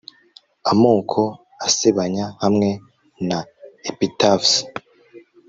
amoko asebanya hamwe na epitaphs